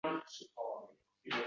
Har kuni kurashing